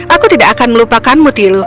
aku tidak akan melupakanmu tilu